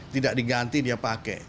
tidak diganti dia pakai